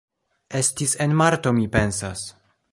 Estis en marto mi pensas